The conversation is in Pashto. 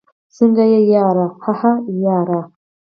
څنګه يې ياره؟ هههه ياره